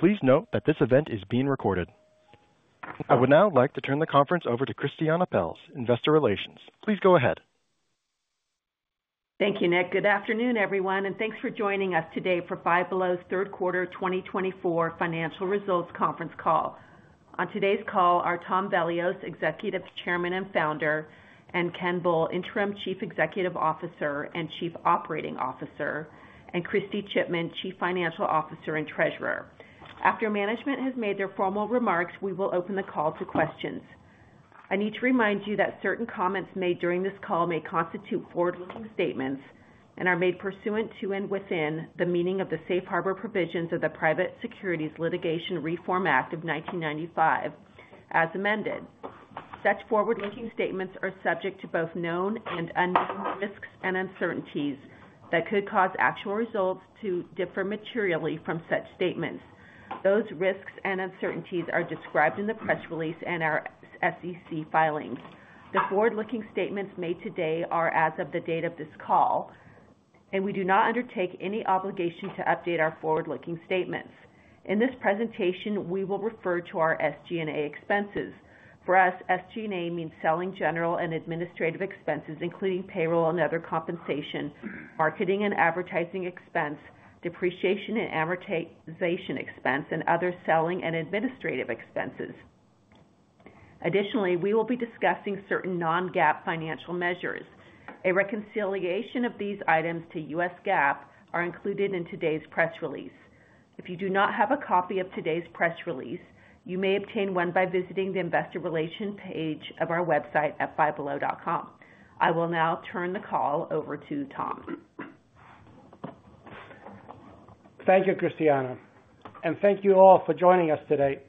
Please note that this event is being recorded. I would now like to turn the conference over to Christiane Pelz, Investor Relations. Please go ahead. Thank you, Nick. Good afternoon, everyone, and thanks for joining us today for Five Below's third quarter 2024 financial results conference call. On today's call are Tom Vellios, Executive Chairman and Founder, and Ken Bull, Interim Chief Executive Officer and Chief Operating Officer, and Kristy Chipman, Chief Financial Officer and Treasurer. After management has made their formal remarks, we will open the call to questions. I need to remind you that certain comments made during this call may constitute forward-looking statements and are made pursuant to and within the meaning of the Safe Harbor Provisions of the Private Securities Litigation Reform Act of 1995, as amended. Such forward-looking statements are subject to both known and unknown risks and uncertainties that could cause actual results to differ materially from such statements. Those risks and uncertainties are described in the press release and our SEC filings. The forward-looking statements made today are as of the date of this call, and we do not undertake any obligation to update our forward-looking statements. In this presentation, we will refer to our SG&A expenses. For us, SG&A means selling general and administrative expenses, including payroll and other compensation, marketing and advertising expense, depreciation and amortization expense, and other selling and administrative expenses. Additionally, we will be discussing certain non-GAAP financial measures. A reconciliation of these items to U.S. GAAP is included in today's press release. If you do not have a copy of today's press release, you may obtain one by visiting the Investor Relations page of our website at fivebelow.com. I will now turn the call over to Tom. Thank you, Christiane, and thank you all for joining us today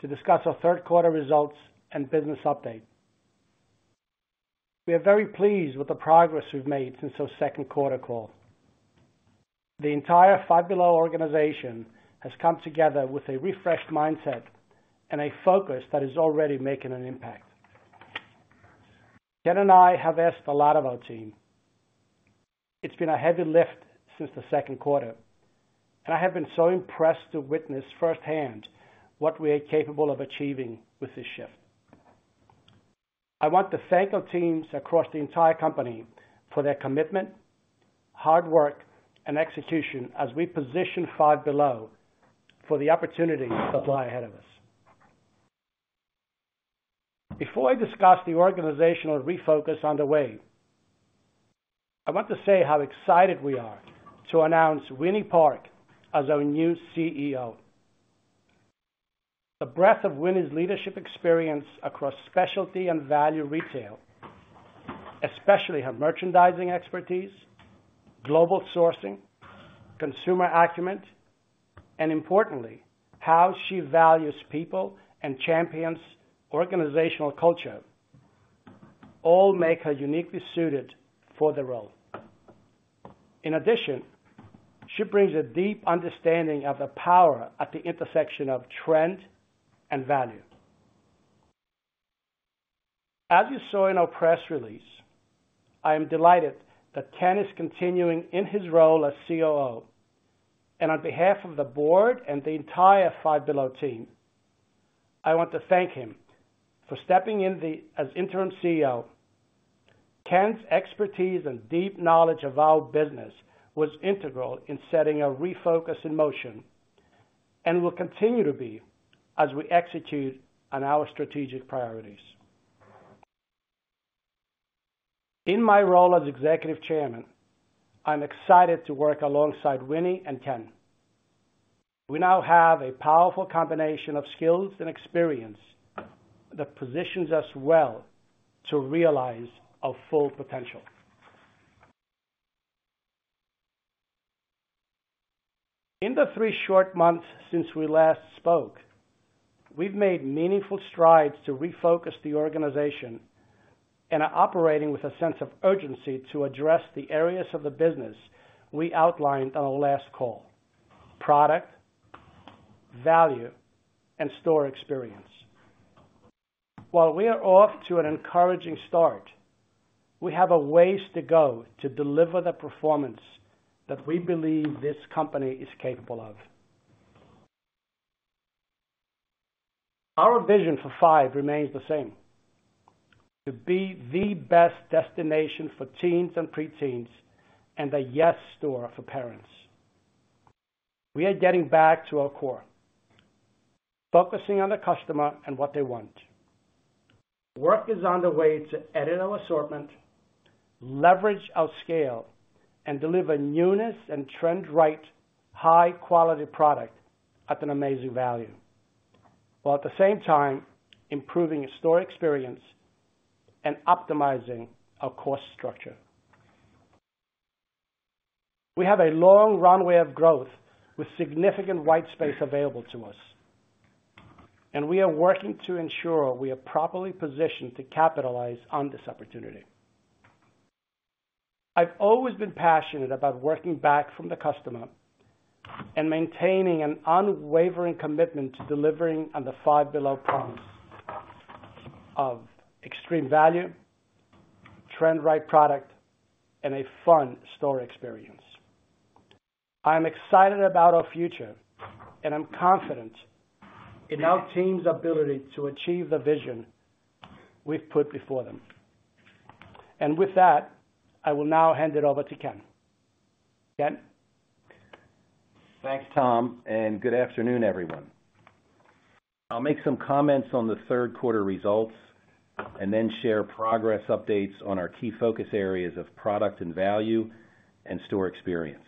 to discuss our third quarter results and business update. We are very pleased with the progress we've made since our second quarter call. The entire Five Below organization has come together with a refreshed mindset and a focus that is already making an impact. Ken and I have asked a lot of our team. It's been a heavy lift since the second quarter, and I have been so impressed to witness firsthand what we are capable of achieving with this shift. I want to thank our teams across the entire company for their commitment, hard work, and execution as we position Five Below for the opportunities that lie ahead of us. Before I discuss the organizational refocus underway, I want to say how excited we are to announce Winnie Park as our new CEO. The breadth of Winnie's leadership experience across specialty and value retail, especially her merchandising expertise, global sourcing, consumer acumen, and importantly, how she values people and champions organizational culture, all make her uniquely suited for the role. In addition, she brings a deep understanding of the power at the intersection of trend and value. As you saw in our press release, I am delighted that Ken is continuing in his role as COO, and on behalf of the board and the entire Five Below team, I want to thank him for stepping in as interim CEO. Ken's expertise and deep knowledge of our business was integral in setting our refocus in motion and will continue to be as we execute on our strategic priorities. In my role as Executive Chairman, I'm excited to work alongside Winnie and Ken. We now have a powerful combination of skills and experience that positions us well to realize our full potential. In the three short months since we last spoke, we've made meaningful strides to refocus the organization and are operating with a sense of urgency to address the areas of the business we outlined on our last call: product, value, and store experience. While we are off to an encouraging start, we have a ways to go to deliver the performance that we believe this company is capable of. Our vision for Five remains the same: to be the best destination for teens and preteens and a yes store for parents. We are getting back to our core, focusing on the customer and what they want.q Work is underway to edit our assortment, leverage our scale, and deliver newness and trend-right, high-quality product at an amazing value, while at the same time improving store experience and optimizing our cost structure. We have a long runway of growth with significant white space available to us, and we are working to ensure we are properly positioned to capitalize on this opportunity. I've always been passionate about working back from the customer and maintaining an unwavering commitment to delivering on the Five Below promise of extreme value, trend-right product, and a fun store experience. I'm excited about our future, and I'm confident in our team's ability to achieve the vision we've put before them, and with that, I will now hand it over to Ken. Ken? Thanks, Tom, and good afternoon, everyone. I'll make some comments on the third quarter results and then share progress updates on our key focus areas of product and value and store experience.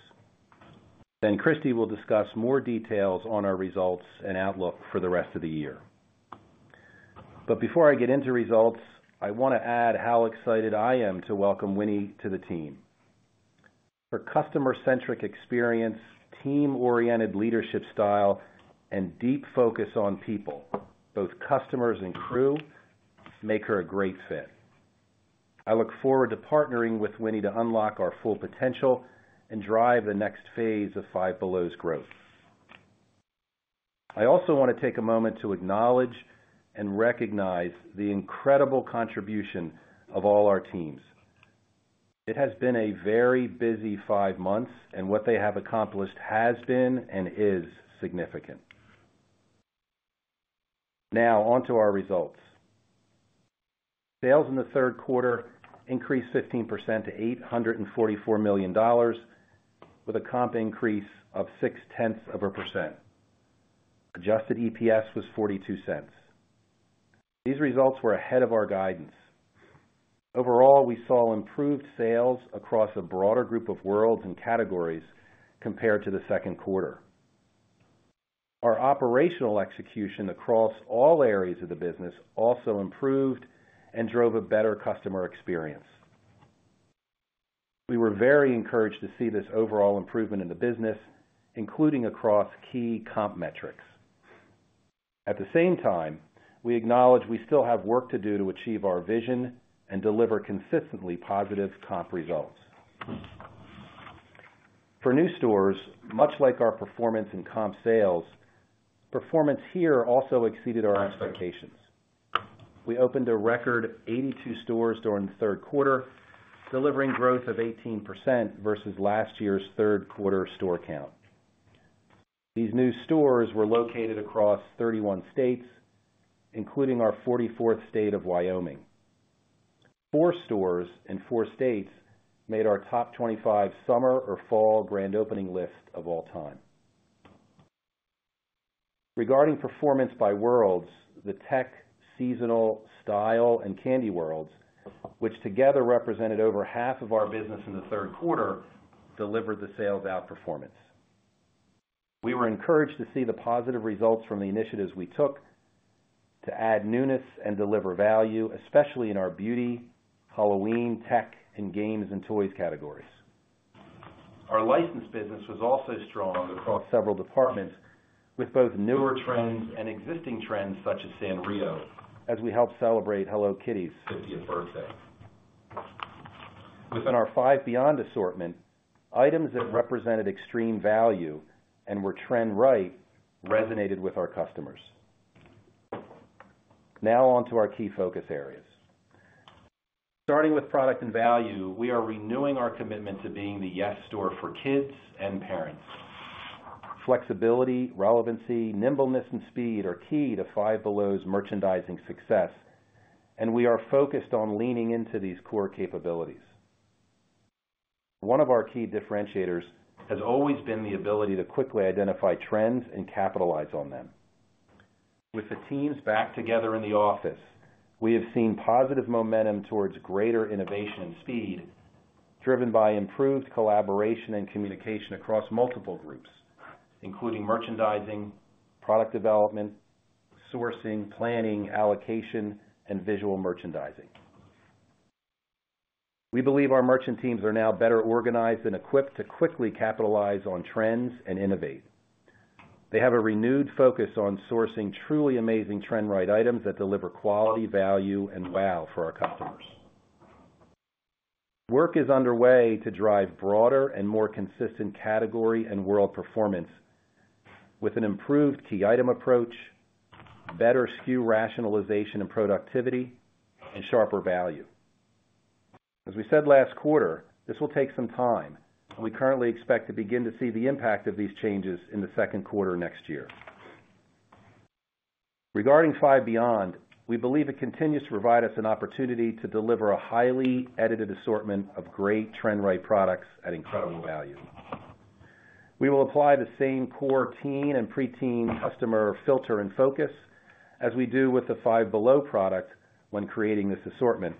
Then Kristy will discuss more details on our results and outlook for the rest of the year. But before I get into results, I want to add how excited I am to welcome Winnie to the team. Her customer-centric experience, team-oriented leadership style, and deep focus on people, both customers and crew, make her a great fit. I look forward to partnering with Winnie to unlock our full potential and drive the next phase of Five Below's growth. I also want to take a moment to acknowledge and recognize the incredible contribution of all our teams. It has been a very busy five months, and what they have accomplished has been and is significant. Now, onto our results. Sales in the third quarter increased 15% to $844 million, with a comp increase of 0.6%. Adjusted EPS was $0.42. These results were ahead of our guidance. Overall, we saw improved sales across a broader group of worlds and categories compared to the second quarter. Our operational execution across all areas of the business also improved and drove a better customer experience. We were very encouraged to see this overall improvement in the business, including across key comp metrics. At the same time, we acknowledge we still have work to do to achieve our vision and deliver consistently positive comp results. For new stores, much like our performance in comp sales, performance here also exceeded our expectations. We opened a record 82 stores during the third quarter, delivering growth of 18% versus last year's third quarter store count. These new stores were located across 31 states, including our 44th state of Wyoming. Four stores in four states made our top 25 summer or fall grand opening list of all time. Regarding performance by worlds, the tech, seasonal, style, and candy worlds, which together represented over half of our business in the third quarter, delivered the sales outperformance. We were encouraged to see the positive results from the initiatives we took to add newness and deliver value, especially in our beauty, Halloween, tech, and games and toys categories. Our license business was also strong across several departments, with both newer trends and existing trends such as Sanrio as we helped celebrate Hello Kitty's 50th birthday. Within our Five Beyond assortment, items that represented extreme value and were trend-right resonated with our customers. Now, onto our key focus areas. Starting with product and value, we are renewing our commitment to being the yes store for kids and parents. Flexibility, relevancy, nimbleness, and speed are key to Five Below's merchandising success, and we are focused on leaning into these core capabilities. One of our key differentiators has always been the ability to quickly identify trends and capitalize on them. With the teams back together in the office, we have seen positive momentum towards greater innovation and speed driven by improved collaboration and communication across multiple groups, including merchandising, product development, sourcing, planning, allocation, and visual merchandising. We believe our merchant teams are now better organized and equipped to quickly capitalize on trends and innovate. They have a renewed focus on sourcing truly amazing trend-right items that deliver quality, value, and wow for our customers. Work is underway to drive broader and more consistent category and world performance with an improved key item approach, better SKU rationalization and productivity, and sharper value. As we said last quarter, this will take some time, and we currently expect to begin to see the impact of these changes in the second quarter next year. Regarding Five Beyond, we believe it continues to provide us an opportunity to deliver a highly edited assortment of great trend-right products at incredible value. We will apply the same core teen and preteen customer filter and focus as we do with the Five Below product when creating this assortment,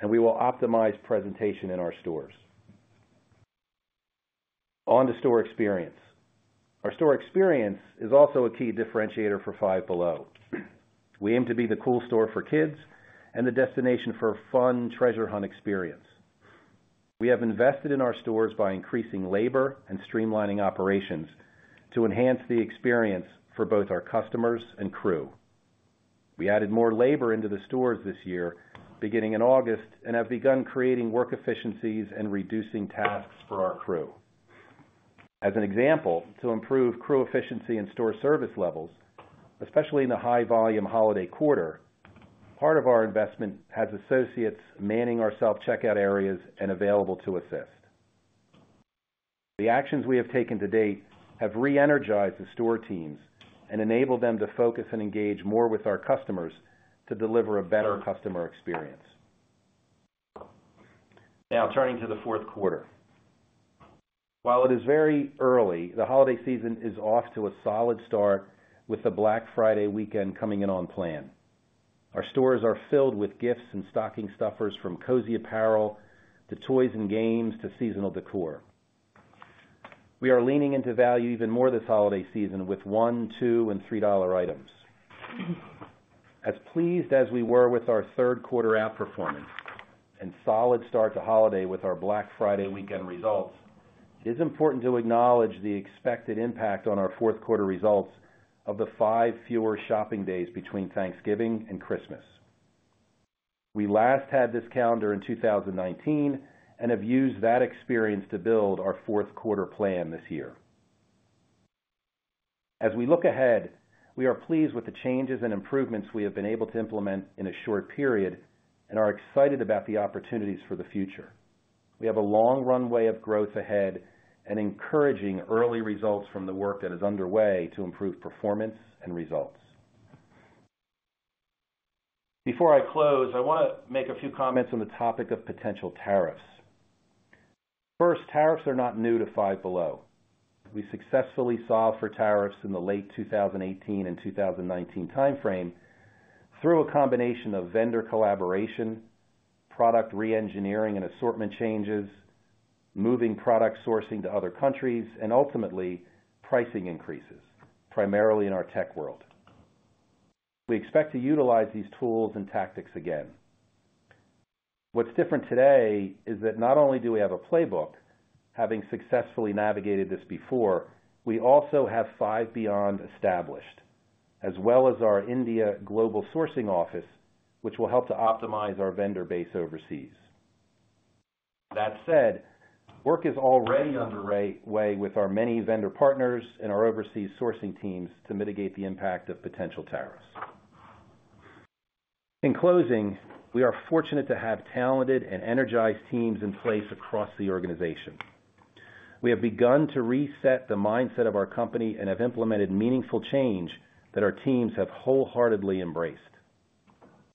and we will optimize presentation in our stores. On to store experience. Our store experience is also a key differentiator for Five Below. We aim to be the cool store for kids and the destination for a fun treasure hunt experience. We have invested in our stores by increasing labor and streamlining operations to enhance the experience for both our customers and crew. We added more labor into the stores this year, beginning in August, and have begun creating work efficiencies and reducing tasks for our crew. As an example, to improve crew efficiency and store service levels, especially in the high-volume holiday quarter, part of our investment has associates manning our self-checkout areas and available to assist. The actions we have taken to date have re-energized the store teams and enabled them to focus and engage more with our customers to deliver a better customer experience. Now, turning to the fourth quarter. While it is very early, the holiday season is off to a solid start with the Black Friday weekend coming in on plan. Our stores are filled with gifts and stocking stuffers from cozy apparel to toys and games to seasonal decor. We are leaning into value even more this holiday season with $1, $2, and $3 items. As pleased as we were with our third quarter outperformance and solid start to holiday with our Black Friday weekend results, it is important to acknowledge the expected impact on our fourth quarter results of the five fewer shopping days between Thanksgiving and Christmas. We last had this calendar in 2019 and have used that experience to build our fourth quarter plan this year. As we look ahead, we are pleased with the changes and improvements we have been able to implement in a short period and are excited about the opportunities for the future. We have a long runway of growth ahead and encouraging early results from the work that is underway to improve performance and results. Before I close, I want to make a few comments on the topic of potential tariffs. First, tariffs are not new to Five Below. We successfully solved for tariffs in the late 2018 and 2019 timeframe through a combination of vendor collaboration, product re-engineering and assortment changes, moving product sourcing to other countries, and ultimately pricing increases, primarily in our tech world. We expect to utilize these tools and tactics again. What's different today is that not only do we have a playbook, having successfully navigated this before, we also have Five Beyond established, as well as our India global sourcing office, which will help to optimize our vendor base overseas. That said, work is already underway with our many vendor partners and our overseas sourcing teams to mitigate the impact of potential tariffs. In closing, we are fortunate to have talented and energized teams in place across the organization. We have begun to reset the mindset of our company and have implemented meaningful change that our teams have wholeheartedly embraced.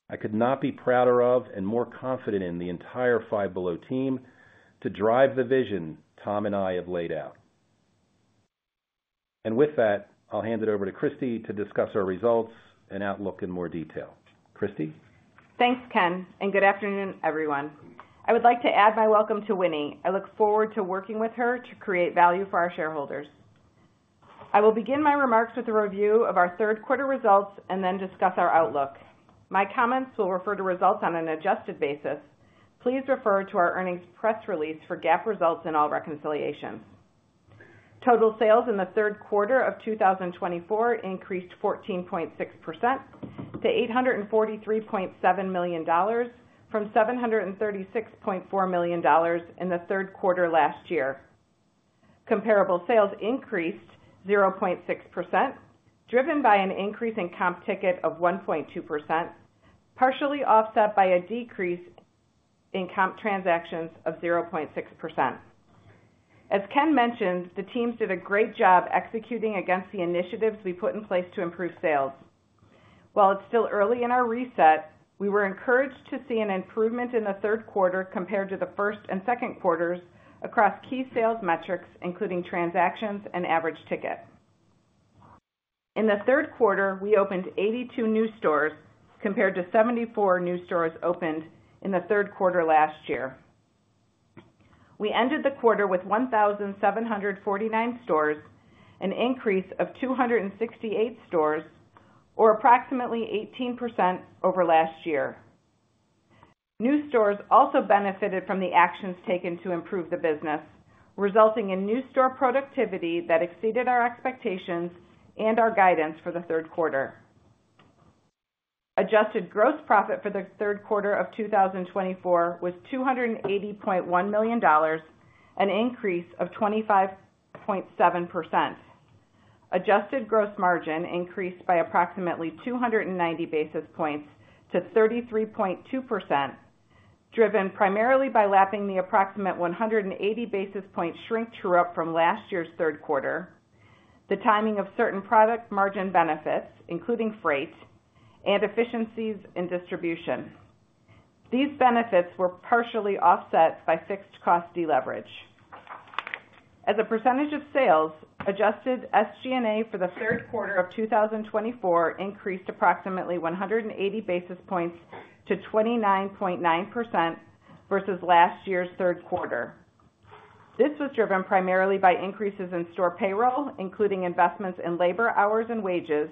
I could not be prouder of and more confident in the entire Five Below team to drive the vision Tom and I have laid out. And with that, I'll hand it over to Kristy to discuss our results and outlook in more detail. Kristy? Thanks, Ken, and good afternoon, everyone. I would like to add my welcome to Winnie. I look forward to working with her to create value for our shareholders. I will begin my remarks with a review of our third quarter results and then discuss our outlook. My comments will refer to results on an adjusted basis. Please refer to our earnings press release for GAAP results in all reconciliations. Total sales in the third quarter of 2024 increased 14.6% to $843.7 million from $736.4 million in the third quarter last year. Comparable sales increased 0.6%, driven by an increase in comp ticket of 1.2%, partially offset by a decrease in comp transactions of 0.6%. As Ken mentioned, the teams did a great job executing against the initiatives we put in place to improve sales. While it's still early in our reset, we were encouraged to see an improvement in the third quarter compared to the first and second quarters across key sales metrics, including transactions and average ticket. In the third quarter, we opened 82 new stores compared to 74 new stores opened in the third quarter last year. We ended the quarter with 1,749 stores, an increase of 268 stores, or approximately 18% over last year. New stores also benefited from the actions taken to improve the business, resulting in new store productivity that exceeded our expectations and our guidance for the third quarter. Adjusted gross profit for the third quarter of 2024 was $280.1 million, an increase of 25.7%. Adjusted gross margin increased by approximately 290 basis points to 33.2%, driven primarily by lapping the approximate 180 basis point shrink true-up from last year's third quarter, the timing of certain product margin benefits, including freight, and efficiencies in distribution. These benefits were partially offset by fixed cost deleverage. As a percentage of sales, adjusted SG&A for the third quarter of 2024 increased approximately 180 basis points to 29.9% versus last year's third quarter. This was driven primarily by increases in store payroll, including investments in labor hours and wages,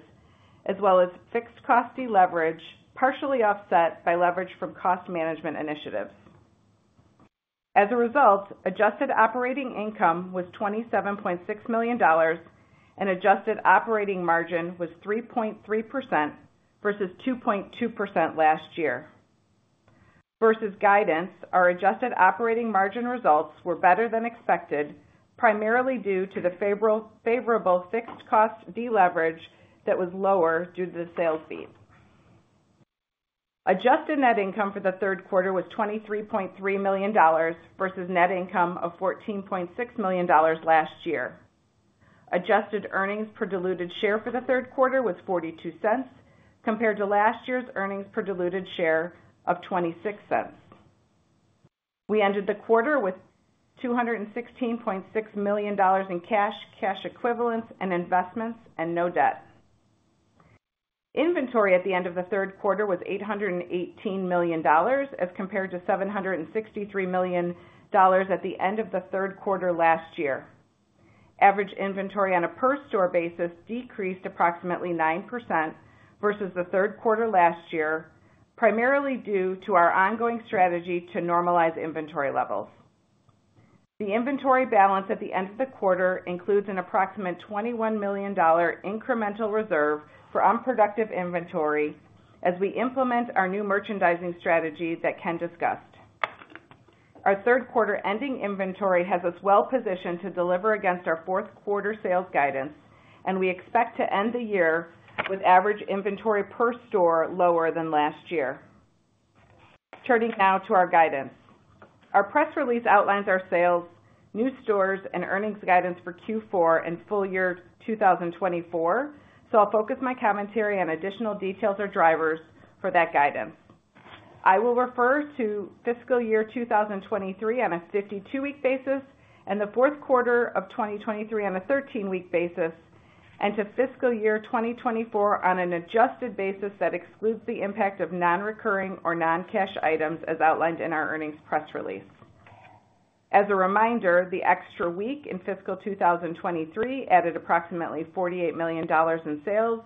as well as fixed cost deleverage, partially offset by leverage from cost management initiatives. As a result, adjusted operating income was $27.6 million, and adjusted operating margin was 3.3% versus 2.2% last year. Versus guidance, our adjusted operating margin results were better than expected, primarily due to the favorable fixed cost deleverage that was lower due to the sales beat. Adjusted net income for the third quarter was $23.3 million versus net income of $14.6 million last year. Adjusted earnings per diluted share for the third quarter was $0.42 compared to last year's earnings per diluted share of $0.26. We ended the quarter with $216.6 million in cash, cash equivalents, and investments, and no debt. Inventory at the end of the third quarter was $818 million as compared to $763 million at the end of the third quarter last year. Average inventory on a per-store basis decreased approximately 9% versus the third quarter last year, primarily due to our ongoing strategy to normalize inventory levels. The inventory balance at the end of the quarter includes an approximate $21 million incremental reserve for unproductive inventory as we implement our new merchandising strategy that Ken discussed. Our third quarter ending inventory has us well positioned to deliver against our fourth quarter sales guidance, and we expect to end the year with average inventory per store lower than last year. Turning now to our guidance. Our press release outlines our sales, new stores, and earnings guidance for Q4 and full year 2024, so I'll focus my commentary on additional details or drivers for that guidance. I will refer to fiscal year 2023 on a 52-week basis and the fourth quarter of 2023 on a 13-week basis and to fiscal year 2024 on an adjusted basis that excludes the impact of non-recurring or non-cash items as outlined in our earnings press release. As a reminder, the extra week in fiscal 2023 added approximately $48 million in sales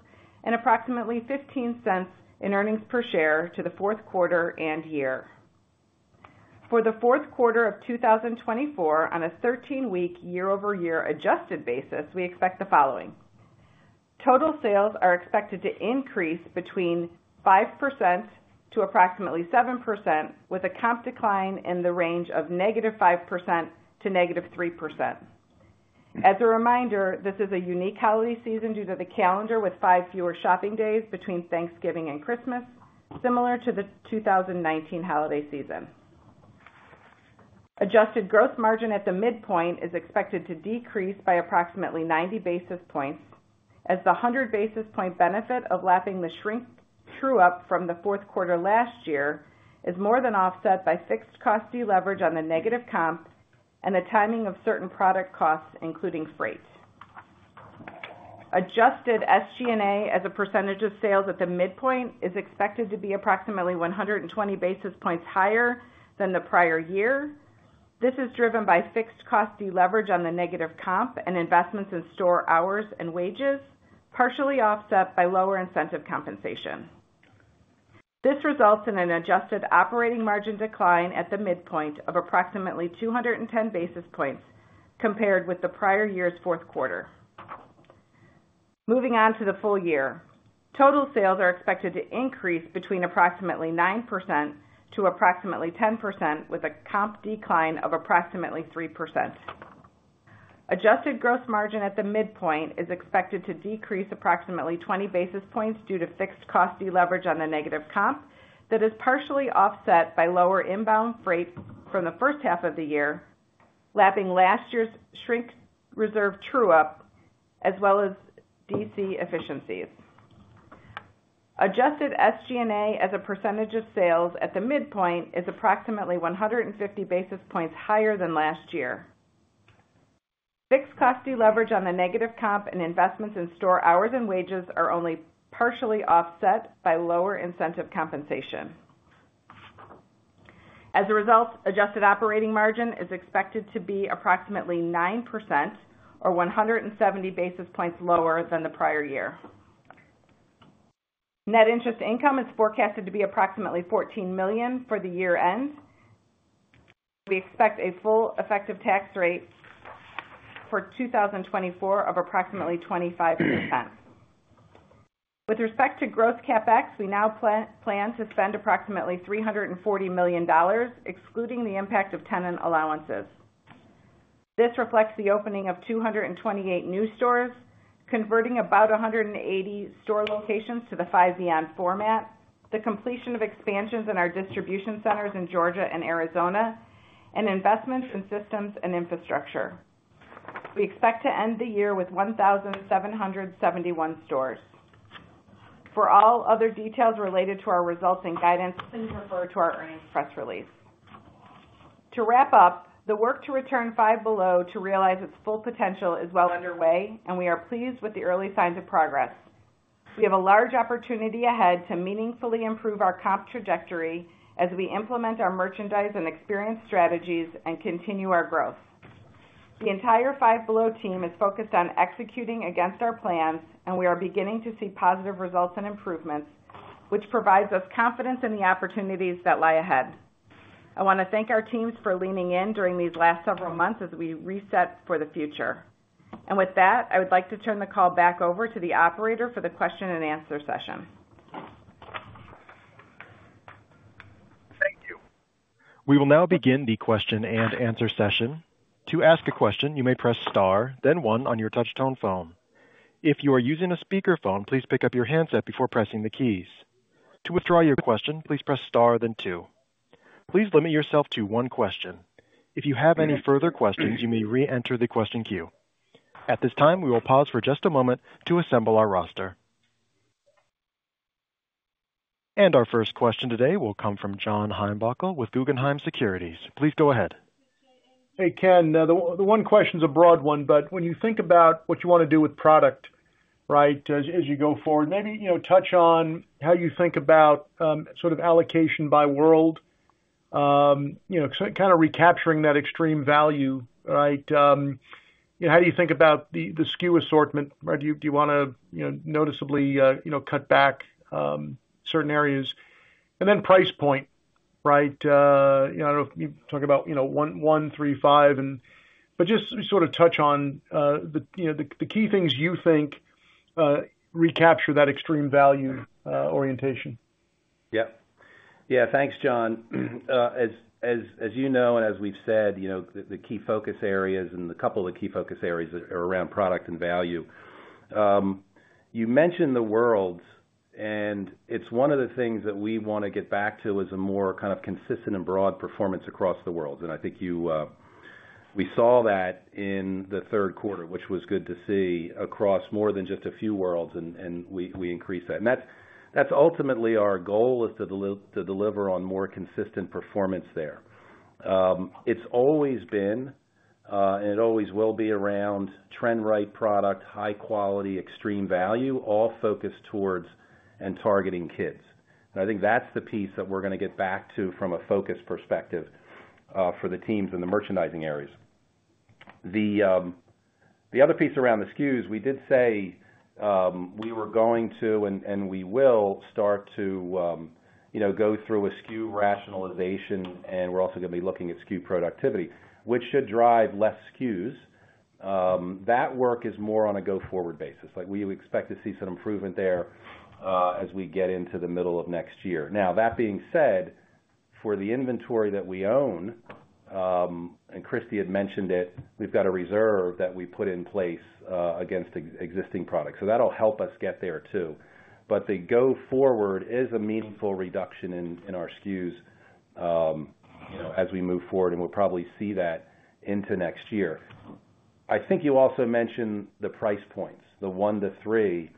and approximately $0.15 in earnings per share to the fourth quarter and year. For the fourth quarter of 2024, on a 13-week year-over-year adjusted basis, we expect the following. Total sales are expected to increase between 5% to approximately 7%, with a comp decline in the range of negative 5% to negative 3%. As a reminder, this is a unique holiday season due to the calendar with five fewer shopping days between Thanksgiving and Christmas, similar to the 2019 holiday season. Adjusted gross margin at the midpoint is expected to decrease by approximately 90 basis points as the 100 basis point benefit of lapping the shrink true-up from the fourth quarter last year is more than offset by fixed cost deleverage on the negative comp and the timing of certain product costs, including freight. Adjusted SG&A as a percentage of sales at the midpoint is expected to be approximately 120 basis points higher than the prior year. This is driven by fixed cost deleverage on the negative comp and investments in store hours and wages, partially offset by lower incentive compensation. This results in an adjusted operating margin decline at the midpoint of approximately 210 basis points compared with the prior year's fourth quarter. Moving on to the full year, total sales are expected to increase between approximately 9% to approximately 10%, with a comp decline of approximately 3%. Adjusted gross margin at the midpoint is expected to decrease approximately 20 basis points due to fixed cost deleverage on the negative comp. That is partially offset by lower inbound freight from the first half of the year, lapping last year's shrink-reserve true-up, as well as DC efficiencies. Adjusted SG&A as a percentage of sales at the midpoint is approximately 150 basis points higher than last year. Fixed cost deleverage on the negative comp and investments in store hours and wages are only partially offset by lower incentive compensation. As a result, adjusted operating margin is expected to be approximately 9% or 170 basis points lower than the prior year. Net interest income is forecasted to be approximately $14 million for the year end. We expect a full effective tax rate for 2024 of approximately 25%. With respect to gross CapEx, we now plan to spend approximately $340 million, excluding the impact of tenant allowances. This reflects the opening of 228 new stores, converting about 180 store locations to the Five Beyond format, the completion of expansions in our distribution centers in Georgia and Arizona, and investments in systems and infrastructure. We expect to end the year with 1,771 stores. For all other details related to our results and guidance, please refer to our earnings press release. To wrap up, the work to return Five Below to realize its full potential is well underway, and we are pleased with the early signs of progress. We have a large opportunity ahead to meaningfully improve our comp trajectory as we implement our merchandise and experience strategies and continue our growth. The entire Five Below team is focused on executing against our plans, and we are beginning to see positive results and improvements, which provides us confidence in the opportunities that lie ahead. I want to thank our teams for leaning in during these last several months as we reset for the future. And with that, I would like to turn the call back over to the operator for the question and answer session. Thank you. We will now begin the question and answer session. To ask a question, you may press star, then one on your touch-tone phone. If you are using a speakerphone, please pick up your handset before pressing the keys. To withdraw your question, please press star, then two. Please limit yourself to one question. If you have any further questions, you may re-enter the question queue. At this time, we will pause for just a moment to assemble our roster, and our first question today will come from John Heinbockel with Guggenheim Securities. Please go ahead. Hey, Ken. The one question is a broad one, but when you think about what you want to do with product, right, as you go forward, maybe touch on how you think about sort of allocation by world, kind of recapturing that extreme value, right? How do you think about the SKU assortment? Do you want to noticeably cut back certain areas? And then price point, right? I don't know if you talk about one, three, five, but just sort of touch on the key things you think recapture that extreme value orientation. Yep. Yeah, thanks, John. As you know and as we've said, the key focus areas and a couple of the key focus areas are around product and value. You mentioned the worlds, and it's one of the things that we want to get back to as a more kind of consistent and broad performance across the world. And I think we saw that in the third quarter, which was good to see across more than just a few worlds, and we increased that. And that's ultimately our goal, is to deliver on more consistent performance there. It's always been, and it always will be around trend-right product, high-quality, extreme value, all focused towards and targeting kids. And I think that's the piece that we're going to get back to from a focus perspective for the teams in the merchandising areas. The other piece around the SKUs, we did say we were going to and we will start to go through a SKU rationalization, and we're also going to be looking at SKU productivity, which should drive less SKUs. That work is more on a go forward basis. We expect to see some improvement there as we get into the middle of next year. Now, that being said, for the inventory that we own, and Kristy had mentioned it, we've got a reserve that we put in place against existing products. So that'll help us get there too. But the go forward is a meaningful reduction in our SKUs as we move forward, and we'll probably see that into next year. I think you also mentioned the price points, the one, the three.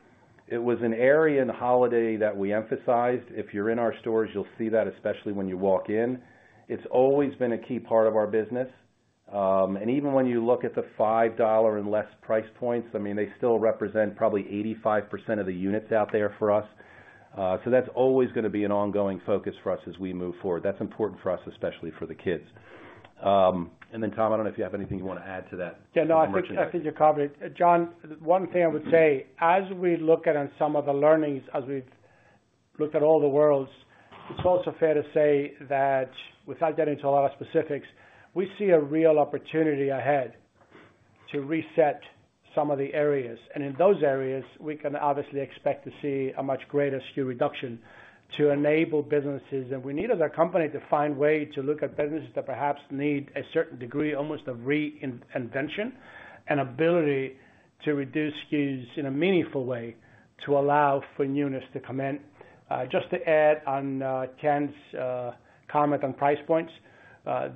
It was an area and holiday that we emphasized. If you're in our stores, you'll see that, especially when you walk in. It's always been a key part of our business. And even when you look at the $5 and less price points, I mean, they still represent probably 85% of the units out there for us. So that's always going to be an ongoing focus for us as we move forward. That's important for us, especially for the kids. And then, Tom, I don't know if you have anything you want to add to that. Yeah, no, I think you're covering it. John, one thing I would say, as we look at some of the learnings, as we've looked at all the worlds, it's also fair to say that without getting into a lot of specifics, we see a real opportunity ahead to reset some of the areas. And in those areas, we can obviously expect to see a much greater SKU reduction to enable businesses. And we need as a company to find a way to look at businesses that perhaps need a certain degree, almost a reinvention, and ability to reduce SKUs in a meaningful way to allow for newness to come in. Just to add on Ken's comment on price points,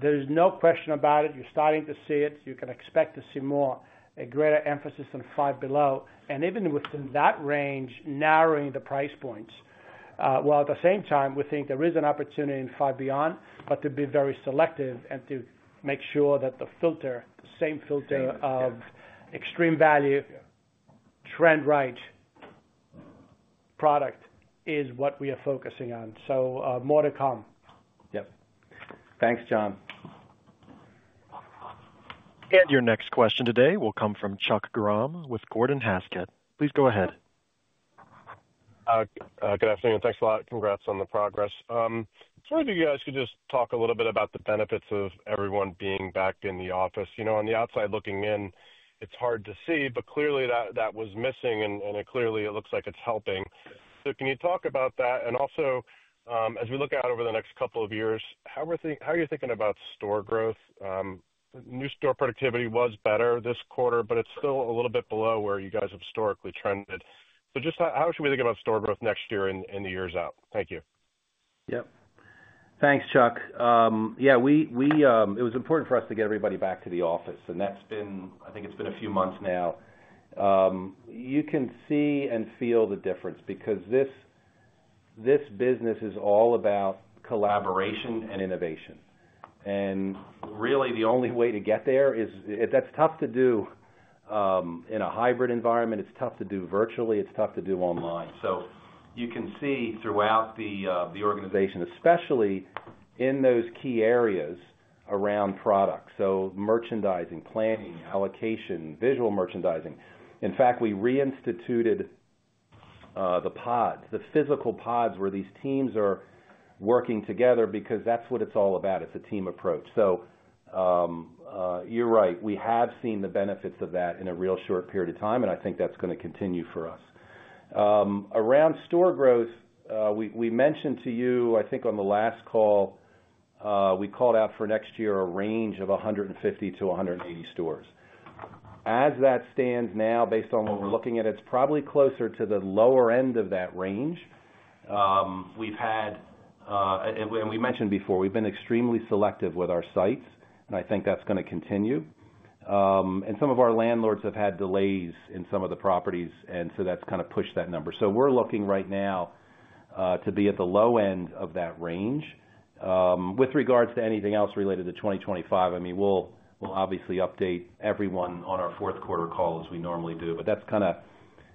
there's no question about it. You're starting to see it. You can expect to see more, a greater emphasis on Five Below. And even within that range, narrowing the price points. While at the same time, we think there is an opportunity in Five Beyond, but to be very selective and to make sure that the filter, the same filter of extreme value, trend-right product is what we are focusing on. So more to come. Yep. Thanks, John. Your next question today will come from Chuck Grom with Gordon Haskett. Please go ahead. Good afternoon. Thanks a lot. Congrats on the progress. I'm sorry if you guys could just talk a little bit about the benefits of everyone being back in the office. On the outside looking in, it's hard to see, but clearly that was missing, and clearly it looks like it's helping. So can you talk about that? And also, as we look out over the next couple of years, how are you thinking about store growth? New store productivity was better this quarter, but it's still a little bit below where you guys have historically trended. So just how should we think about store growth next year and the years out? Thank you. Yep. Thanks, Chuck. Yeah, it was important for us to get everybody back to the office, and that's been, I think, a few months now. You can see and feel the difference because this business is all about collaboration and innovation, and really, the only way to get there is. That's tough to do in a hybrid environment. It's tough to do virtually. It's tough to do online. You can see throughout the organization, especially in those key areas around products: merchandising, planning, allocation, visual merchandising. In fact, we reinstituted the pods, the physical pods where these teams are working together because that's what it's all about. It's a team approach. You're right. We have seen the benefits of that in a real short period of time, and I think that's going to continue for us. Around store growth, we mentioned to you, I think on the last call, we called out for next year a range of 150 to 180 stores. As that stands now, based on what we're looking at, it's probably closer to the lower end of that range. We've had, and we mentioned before, we've been extremely selective with our sites, and I think that's going to continue, and some of our landlords have had delays in some of the properties, and so that's kind of pushed that number, so we're looking right now to be at the low end of that range. With regards to anything else related to 2025, I mean, we'll obviously update everyone on our fourth quarter call as we normally do, but that's kind of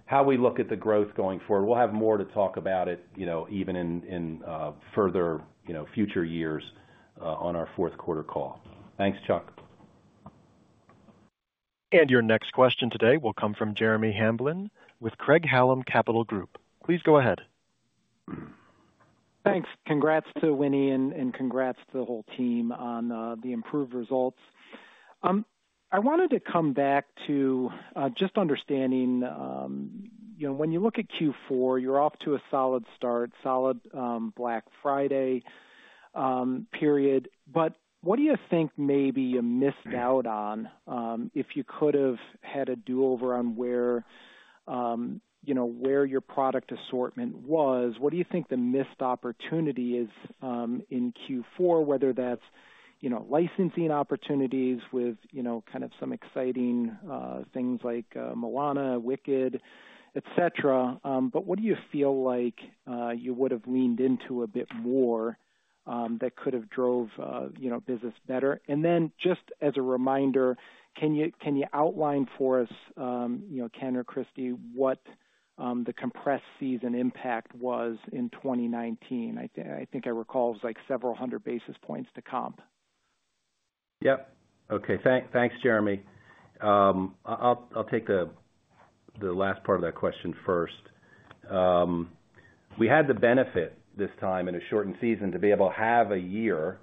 how we look at the growth going forward. We'll have more to talk about it even in further future years on our fourth quarter call. Thanks, Chuck. Your next question today will come from Jeremy Hamblin with Craig-Hallum Capital Group. Please go ahead. Thanks. Congrats to Winnie and congrats to the whole team on the improved results. I wanted to come back to just understanding when you look at Q4, you're off to a solid start, solid Black Friday period. But what do you think may be a missed out on if you could have had a do-over on where your product assortment was? What do you think the missed opportunity is in Q4, whether that's licensing opportunities with kind of some exciting things like Moana, Wicked, etc.? But what do you feel like you would have leaned into a bit more that could have drove business better? And then just as a reminder, can you outline for us, Ken or Kristy, what the compressed season impact was in 2019? I think I recall it was like several hundred basis points to comp. Yep. Okay. Thanks, Jeremy. I'll take the last part of that question first. We had the benefit this time in a shortened season to be able to have a year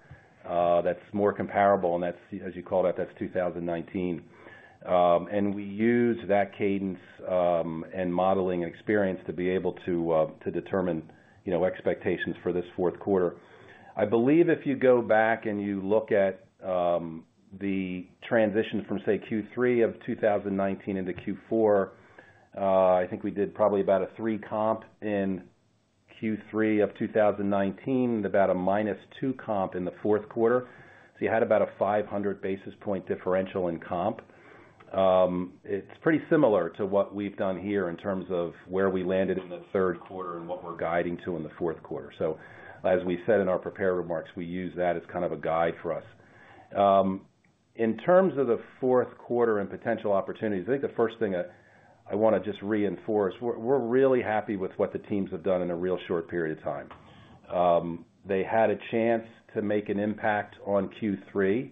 that's more comparable, and as you called out, that's 2019, and we used that cadence and modeling and experience to be able to determine expectations for this fourth quarter. I believe if you go back and you look at the transition from, say, Q3 of 2019 into Q4, I think we did probably about a three comp in Q3 of 2019 and about a minus two comp in the fourth quarter, so you had about a 500 basis point differential in comp. It's pretty similar to what we've done here in terms of where we landed in the third quarter and what we're guiding to in the fourth quarter. As we said in our prepared remarks, we use that as kind of a guide for us. In terms of the fourth quarter and potential opportunities, I think the first thing I want to just reinforce, we're really happy with what the teams have done in a real short period of time. They had a chance to make an impact on Q3.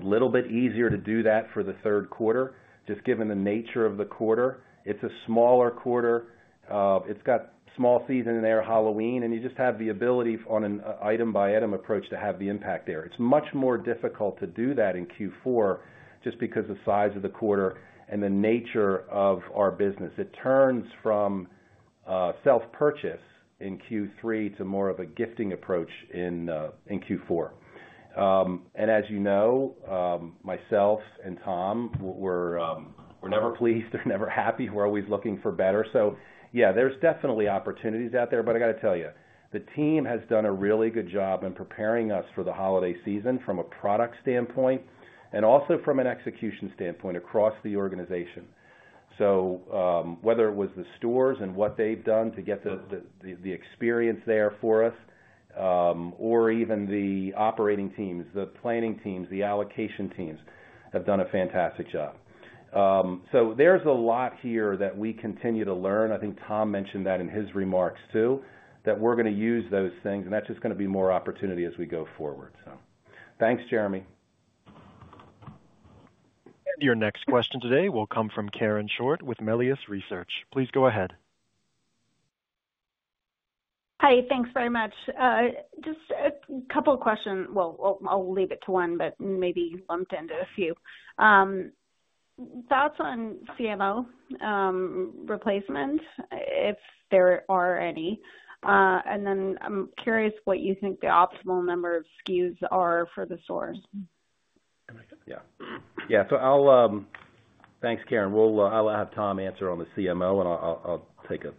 A little bit easier to do that for the third quarter, just given the nature of the quarter. It's a smaller quarter. It's got small season in there, Halloween, and you just have the ability on an item-by-item approach to have the impact there. It's much more difficult to do that in Q4 just because of the size of the quarter and the nature of our business. It turns from self-purchase in Q3 to more of a gifting approach in Q4. And as you know, myself and Tom, we're never pleased. We're never happy. We're always looking for better. So yeah, there's definitely opportunities out there, but I got to tell you, the team has done a really good job in preparing us for the holiday season from a product standpoint and also from an execution standpoint across the organization. So whether it was the stores and what they've done to get the experience there for us, or even the operating teams, the planning teams, the allocation teams have done a fantastic job. So there's a lot here that we continue to learn. I think Tom mentioned that in his remarks too, that we're going to use those things, and that's just going to be more opportunity as we go forward. So thanks, Jeremy. Your next question today will come from Karen Short with Melius Research. Please go ahead. Hi, thanks very much. Just a couple of questions. Well, I'll leave it to one, but maybe lumped into a few. Thoughts on CMO replacement, if there are any? And then I'm curious what you think the optimal number of SKUs are for the stores. Yeah. Yeah. So thanks, Karen. I'll have Tom answer on the CMO, and I'll take a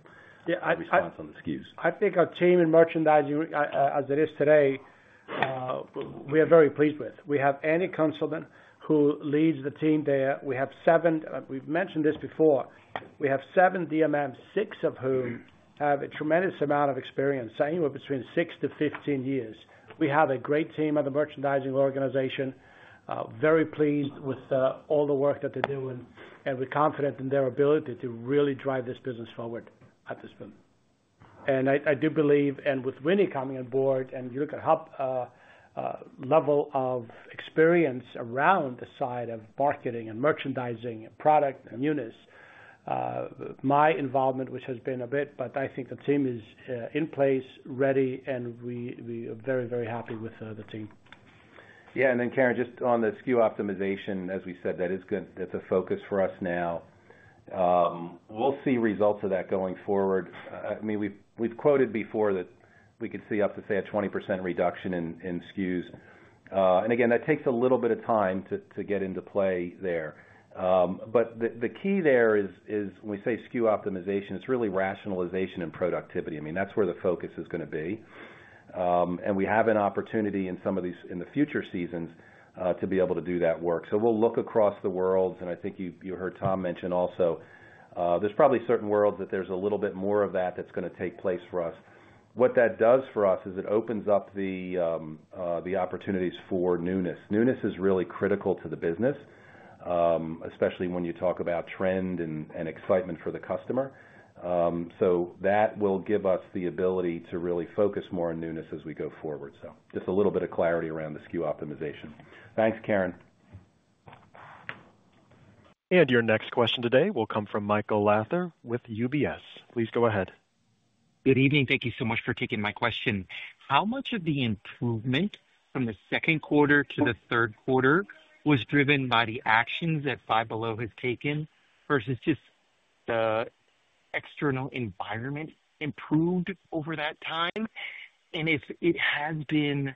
response on the SKUs. I think our team in merchandising, as it is today, we are very pleased with. We have Annie [Consultant] who leads the team there. We have seven, we've mentioned this before, we have seven DMMs, six of whom have a tremendous amount of experience, anywhere between six to 15 years. We have a great team at the merchandising organization, very pleased with all the work that they're doing, and we're confident in their ability to really drive this business forward at this point. I do believe, and with Winnie coming on board, and you look at how level of experience around the side of marketing and merchandising and product and units, my involvement, which has been a bit, but I think the team is in place, ready, and we are very, very happy with the team. Yeah. And then, Karen, just on the SKU optimization, as we said, that is good. That's a focus for us now. We'll see results of that going forward. I mean, we've quoted before that we could see up to, say, a 20% reduction in SKUs. And again, that takes a little bit of time to get into play there. But the key there is, when we say SKU optimization, it's really rationalization and productivity. I mean, that's where the focus is going to be. And we have an opportunity in some of these in the future seasons to be able to do that work. So we'll look across the world, and I think you heard Tom mention also, there's probably certain worlds that there's a little bit more of that that's going to take place for us. What that does for us is it opens up the opportunities for newness. Newness is really critical to the business, especially when you talk about trend and excitement for the customer. So that will give us the ability to really focus more on newness as we go forward. So just a little bit of clarity around the SKU optimization. Thanks, Karen. Your next question today will come from Michael Lasser with UBS. Please go ahead. Good evening. Thank you so much for taking my question. How much of the improvement from the second quarter to the third quarter was driven by the actions that Five Below has taken versus just the external environment improved over that time? And if it has been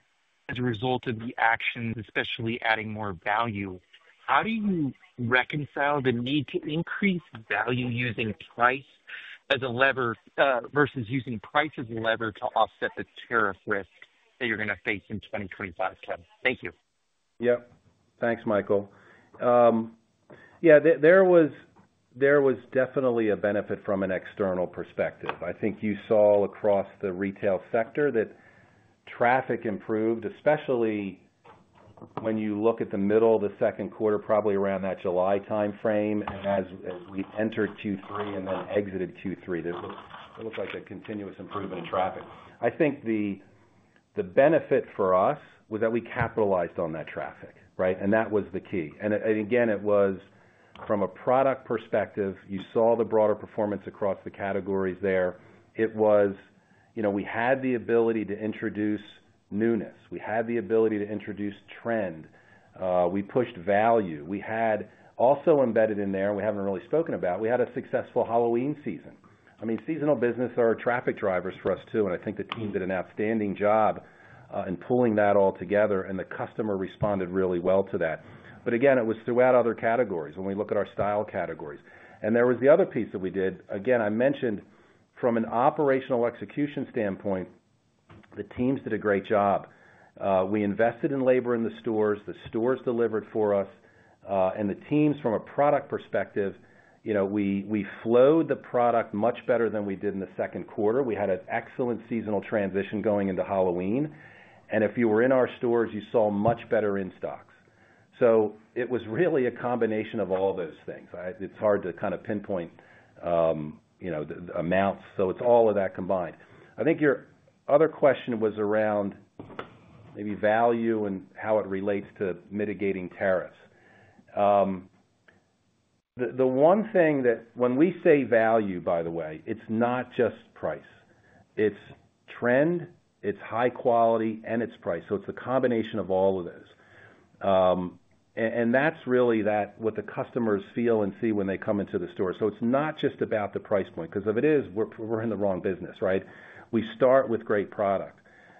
as a result of the actions, especially adding more value, how do you reconcile the need to increase value using price as a lever versus using price as a lever to offset the tariff risk that you're going to face in 2025, Ken? Thank you. Yep. Thanks, Michael. Yeah, there was definitely a benefit from an external perspective. I think you saw across the retail sector that traffic improved, especially when you look at the middle of the second quarter, probably around that July timeframe, and as we entered Q3 and then exited Q3, it looked like a continuous improvement in traffic. I think the benefit for us was that we capitalized on that traffic, right? And that was the key. And again, it was from a product perspective. You saw the broader performance across the categories there. It was we had the ability to introduce newness. We had the ability to introduce trend. We pushed value. We had also embedded in there, and we haven't really spoken about, we had a successful Halloween season. I mean, seasonal business are traffic drivers for us too, and I think the team did an outstanding job in pulling that all together, and the customer responded really well to that, but again, it was throughout other categories when we look at our style categories, and there was the other piece that we did, again, I mentioned from an operational execution standpoint, the teams did a great job. We invested in labor in the stores. The stores delivered for us, and the teams, from a product perspective, we flowed the product much better than we did in the second quarter. We had an excellent seasonal transition going into Halloween, and if you were in our stores, you saw much better in stocks, so it was really a combination of all those things. It's hard to kind of pinpoint the amounts, so it's all of that combined. I think your other question was around maybe value and how it relates to mitigating tariffs. The one thing that when we say value, by the way, it's not just price. It's trend, it's high quality, and it's price. So it's a combination of all of those. And that's really what the customers feel and see when they come into the store. So it's not just about the price point. Because if it is, we're in the wrong business, right? We start with great product.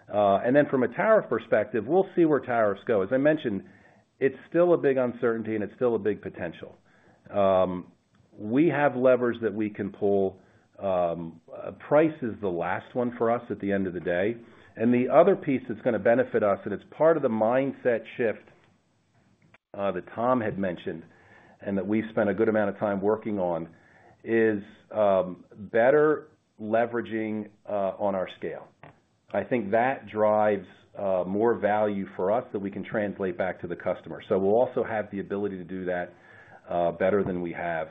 And then from a tariff perspective, we'll see where tariffs go. As I mentioned, it's still a big uncertainty, and it's still a big potential. We have levers that we can pull. Price is the last one for us at the end of the day. And the other piece that's going to benefit us, and it's part of the mindset shift that Tom had mentioned and that we've spent a good amount of time working on, is better leveraging on our scale. I think that drives more value for us that we can translate back to the customer. So we'll also have the ability to do that better than we have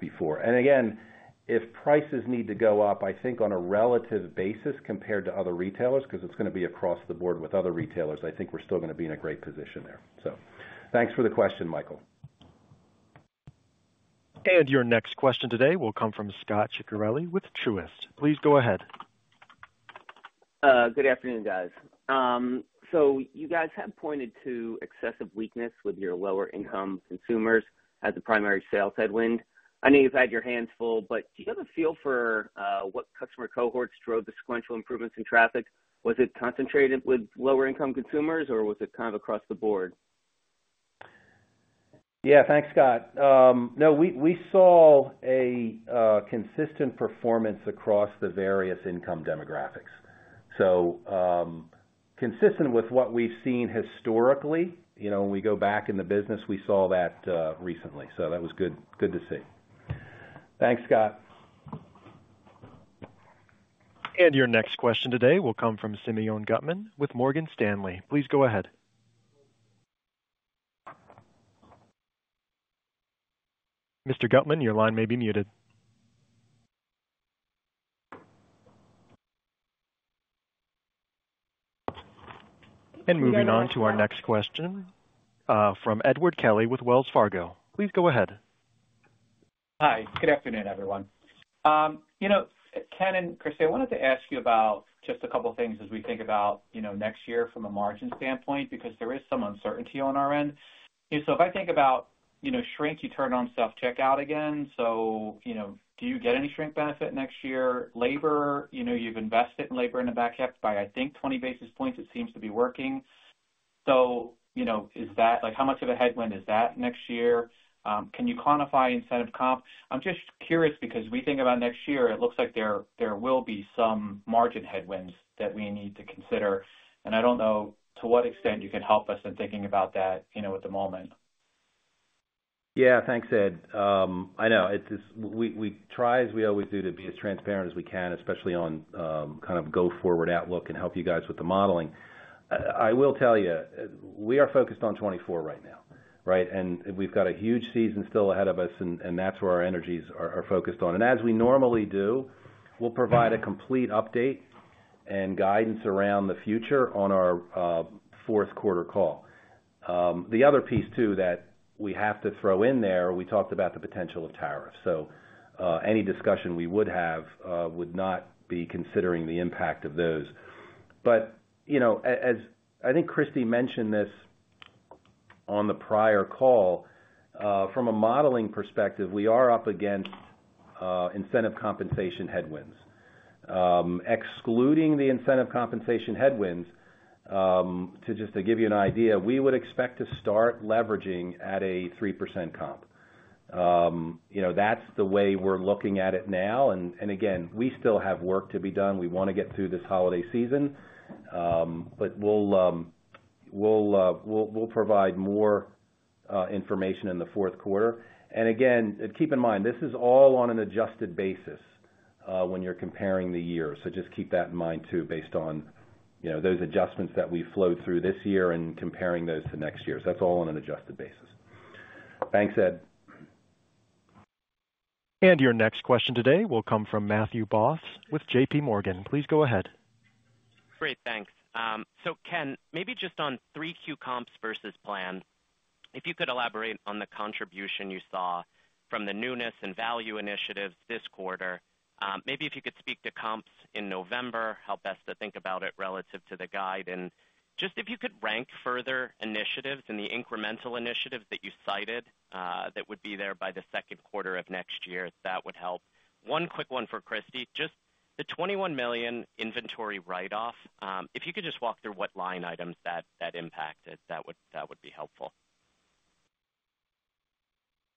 before. And again, if prices need to go up, I think on a relative basis compared to other retailers, because it's going to be across the board with other retailers, I think we're still going to be in a great position there. So thanks for the question, Michael. Your next question today will come from Scot Ciccarelli with Truist. Please go ahead. Good afternoon, guys. So you guys had pointed to excessive weakness with your lower-income consumers as the primary sales headwind. I know you've had your hands full, but do you have a feel for what customer cohorts drove the sequential improvements in traffic? Was it concentrated with lower-income consumers, or was it kind of across the board? Yeah. Thanks, Scot. No, we saw a consistent performance across the various income demographics, so consistent with what we've seen historically. When we go back in the business, we saw that recently, so that was good to see. Thanks, Scot. Your next question today will come from Simeon Gutman with Morgan Stanley. Please go ahead. Mr. Gutman, your line may be muted. Moving on to our next question from Edward Kelly with Wells Fargo. Please go ahead. Hi. Good afternoon, everyone. Ken and Kristy, I wanted to ask you about just a couple of things as we think about next year from a margin standpoint because there is some uncertainty on our end. So if I think about shrink, you turn on self-checkout again. So do you get any shrink benefit next year? Labor, you've invested in labor in the backyard by, I think, 20 basis points. It seems to be working. So how much of a headwind is that next year? Can you quantify incentive comp? I'm just curious because we think about next year, it looks like there will be some margin headwinds that we need to consider. And I don't know to what extent you can help us in thinking about that at the moment. Yeah. Thanks, Ed. I know. We try, as we always do, to be as transparent as we can, especially on kind of go forward outlook and help you guys with the modeling. I will tell you, we are focused on 2024 right now, right? And we've got a huge season still ahead of us, and that's where our energies are focused on. And as we normally do, we'll provide a complete update and guidance around the future on our fourth quarter call. The other piece too that we have to throw in there, we talked about the potential of tariffs. So any discussion we would have would not be considering the impact of those. But as I think Kristy mentioned this on the prior call, from a modeling perspective, we are up against incentive compensation headwinds. Excluding the incentive compensation headwinds, to just give you an idea, we would expect to start leveraging at a 3% comp. That's the way we're looking at it now. And again, we still have work to be done. We want to get through this holiday season, but we'll provide more information in the fourth quarter. And again, keep in mind, this is all on an adjusted basis when you're comparing the years. So just keep that in mind too based on those adjustments that we flowed through this year and comparing those to next year. So that's all on an adjusted basis. Thanks, Ed. Your next question today will come from Matthew Boss with JPMorgan. Please go ahead. Great. Thanks. So Ken, maybe just on Q3 comps versus planned, if you could elaborate on the contribution you saw from the newness and value initiatives this quarter. Maybe if you could speak to comps in November, how best to think about it relative to the guide. And just if you could rank further initiatives and the incremental initiatives that you cited that would be there by the second quarter of next year, that would help. One quick one for Kristy. Just the $21 million inventory write-off, if you could just walk through what line items that impacted, that would be helpful.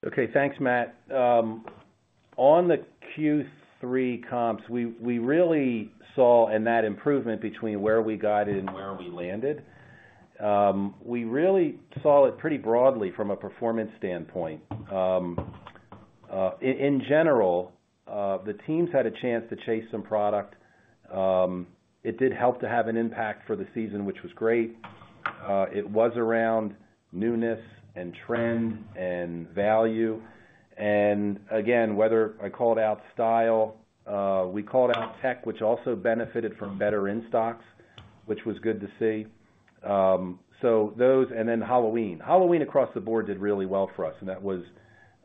Okay. Thanks, Matt. On the Q3 comps, we really saw in that improvement between where we guided and where we landed. We really saw it pretty broadly from a performance standpoint. In general, the teams had a chance to chase some product. It did help to have an impact for the season, which was great. It was around newness and trend and value. And again, whether I called out style, we called out tech, which also benefited from better in stocks, which was good to see. So those, and then Halloween. Halloween across the board did really well for us. And that was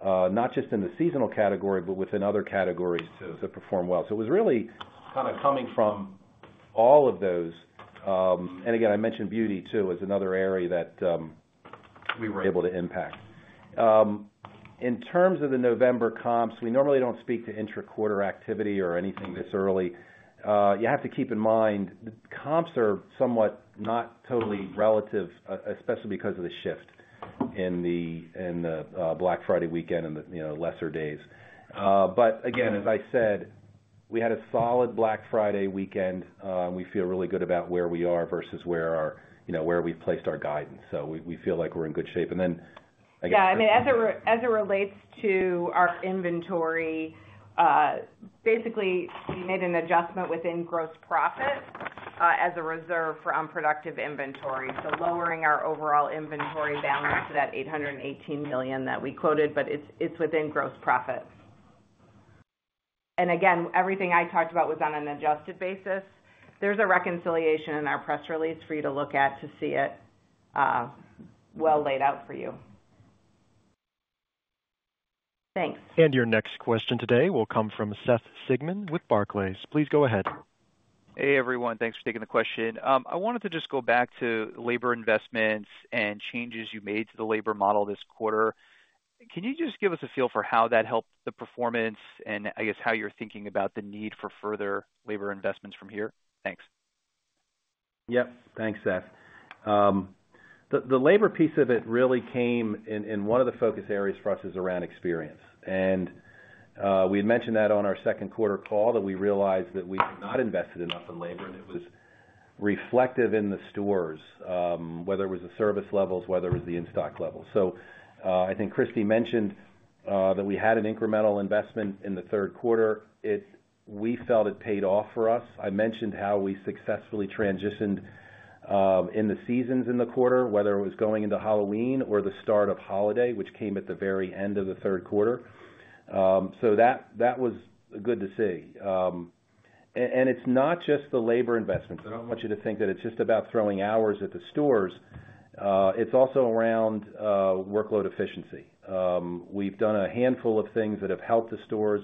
not just in the seasonal category, but within other categories to perform well. So it was really kind of coming from all of those. And again, I mentioned beauty too as another area that we were able to impact. In terms of the November comps, we normally don't speak to intra-quarter activity or anything this early. You have to keep in mind comps are somewhat not totally relative, especially because of the shift in the Black Friday weekend and the lesser days. But again, as I said, we had a solid Black Friday weekend. We feel really good about where we are versus where we've placed our guidance. So we feel like we're in good shape. And then I guess— Yeah. I mean, as it relates to our inventory, basically, we made an adjustment within gross profit as a reserve for unproductive inventory. So lowering our overall inventory balance to that $818 million that we quoted, but it's within gross profit. And again, everything I talked about was on an adjusted basis. There's a reconciliation in our press release for you to look at to see it well laid out for you. Thanks. And your next question today will come from Seth Sigman with Barclays. Please go ahead. Hey, everyone. Thanks for taking the question. I wanted to just go back to labor investments and changes you made to the labor model this quarter. Can you just give us a feel for how that helped the performance and, I guess, how you're thinking about the need for further labor investments from here? Thanks. Yep. Thanks, Seth. The labor piece of it really came, and one of the focus areas for us is around experience and we had mentioned that on our second quarter call that we realized that we had not invested enough in labor, and it was reflective in the stores, whether it was the service levels, whether it was the in-stock levels, so I think Kristy mentioned that we had an incremental investment in the third quarter. We felt it paid off for us. I mentioned how we successfully transitioned in the seasons in the quarter, whether it was going into Halloween or the start of holiday, which came at the very end of the third quarter, so that was good to see, and it's not just the labor investments. I don't want you to think that it's just about throwing hours at the stores. It's also around workload efficiency. We've done a handful of things that have helped the stores.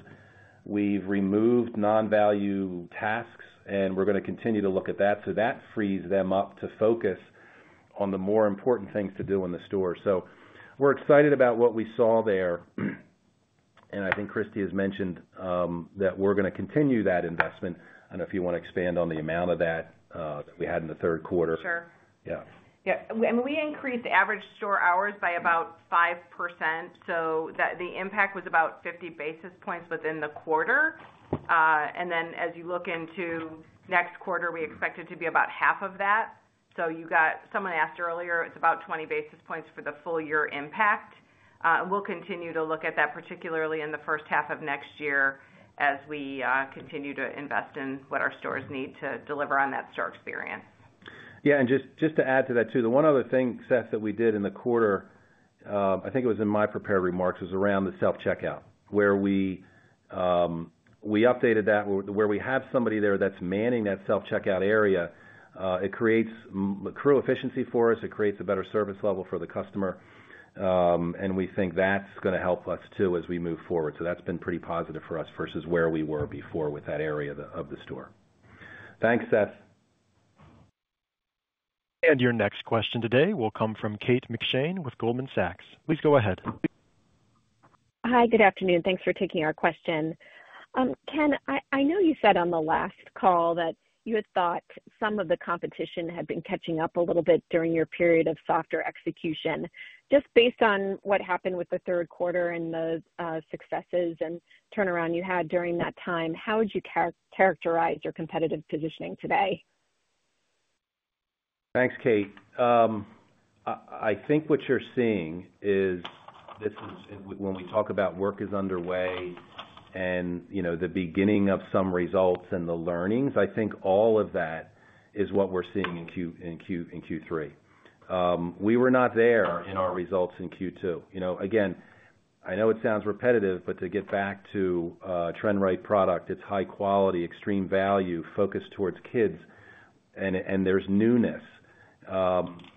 We've removed non-value tasks, and we're going to continue to look at that. So that frees them up to focus on the more important things to do in the store. So we're excited about what we saw there. And I think Kristy has mentioned that we're going to continue that investment. I don't know if you want to expand on the amount of that that we had in the third quarter. I mean, we increased average store hours by about 5%, so the impact was about 50 basis points within the quarter, and then as you look into next quarter, we expect it to be about half of that, so someone asked earlier, it's about 20 basis points for the full year impact, and we'll continue to look at that, particularly in the first half of next year as we continue to invest in what our stores need to deliver on that store experience. Yeah. And just to add to that too, the one other thing, Seth, that we did in the quarter, I think it was in my prepared remarks, was around the self-checkout, where we updated that, where we have somebody there that's manning that self-checkout area. It creates crew efficiency for us. It creates a better service level for the customer. And we think that's going to help us too as we move forward. So that's been pretty positive for us versus where we were before with that area of the store. Thanks, Seth. And your next question today will come from Kate McShane with Goldman Sachs. Please go ahead. Hi. Good afternoon. Thanks for taking our question. Ken, I know you said on the last call that you had thought some of the competition had been catching up a little bit during your period of softer execution. Just based on what happened with the third quarter and the successes and turnaround you had during that time, how would you characterize your competitive positioning today? Thanks, Kate. I think what you're seeing is, when we talk about work is underway and the beginning of some results and the learnings, I think all of that is what we're seeing in Q3. We were not there in our results in Q2. Again, I know it sounds repetitive, but to get back to trend-right product, it's high quality, extreme value, focused towards kids, and there's newness.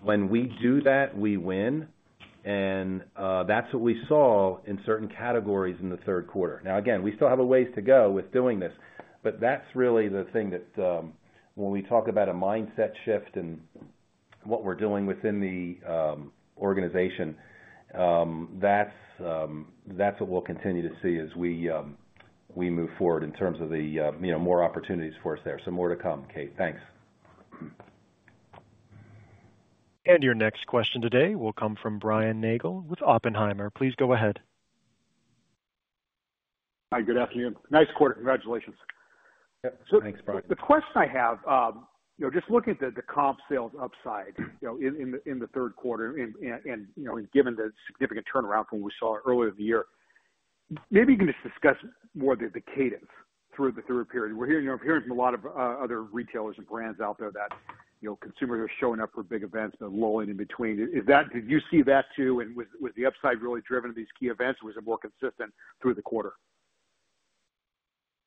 When we do that, we win, and that's what we saw in certain categories in the third quarter. Now, again, we still have a ways to go with doing this, but that's really the thing that, when we talk about a mindset shift and what we're doing within the organization, that's what we'll continue to see as we move forward in terms of the more opportunities for us there, so more to come, Kate. Thanks. And your next question today will come from Brian Nagel with Oppenheimer. Please go ahead. Hi. Good afternoon. Nice quarter. Congratulations. Yeah. Thanks, Brian. So the question I have, just looking at the comp sales upside in the third quarter and given the significant turnaround from what we saw earlier in the year, maybe you can just discuss more the cadence through the period. We're hearing from a lot of other retailers and brands out there that consumers are showing up for big events, but low in between. Did you see that too? And was the upside really driven in these key events, or was it more consistent through the quarter?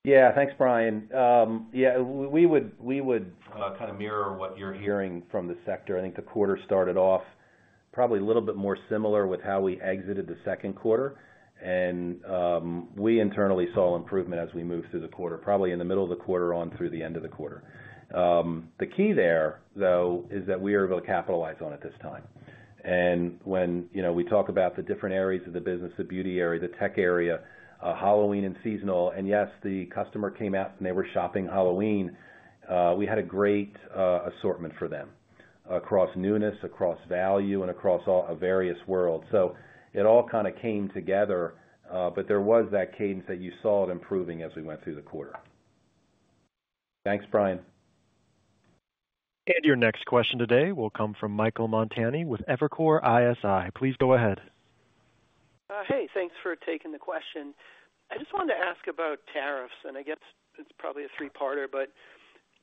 Yeah. Thanks, Brian. Yeah. We would kind of mirror what you're hearing from the sector. I think the quarter started off probably a little bit more similar with how we exited the second quarter. And we internally saw improvement as we moved through the quarter, probably in the middle of the quarter on through the end of the quarter. The key there, though, is that we are able to capitalize on it this time. And when we talk about the different areas of the business, the beauty area, the tech area, Halloween and seasonal, and yes, the customer came out and they were shopping Halloween. We had a great assortment for them across newness, across value, and across a various world. So it all kind of came together, but there was that cadence that you saw it improving as we went through the quarter. Thanks, Brian. Your next question today will come from Michael Montani with Evercore ISI. Please go ahead. Hey. Thanks for taking the question. I just wanted to ask about tariffs. And I guess it's probably a three-parter, but